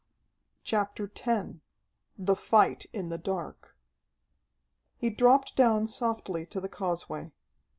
CHAPTER X The Fight in the Dark He dropped down softly to the causeway.